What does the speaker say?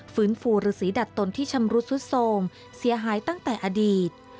ฟูฤษีดัดตนที่ชำรุดสุดโทรมเสียหายตั้งแต่อดีต